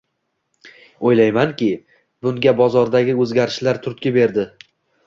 Oʻylaymanki, bunga bozordagi oʻzgarishlar turtki berdi.